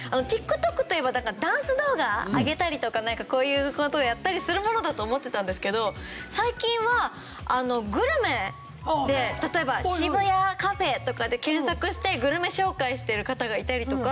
ＴｉｋＴｏｋといえばダンス動画上げたりとかこういう事をやったりするものだと思ってたんですけど最近はグルメで例えば「渋谷カフェ」とかで検索してグルメ紹介してる方がいたりとか。